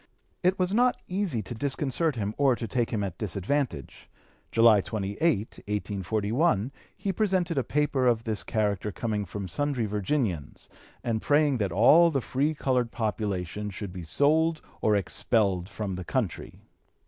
It was not easy to disconcert him or to take him at disadvantage. July 28, 1841, he presented a paper of this character coming from sundry Virginians and praying that all the free colored population should be sold or expelled from the country.